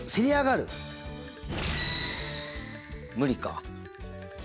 無理か。